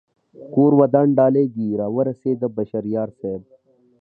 کور ودان ډالۍ دې را و رسېده بشر یار صاحب